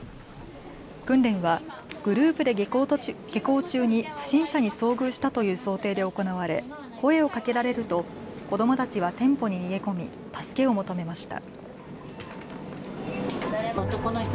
訓練はグループで下校中に不審者に遭遇したという想定で行われ、声をかけられると子どもたちは店舗に逃げ込み助けを求めました。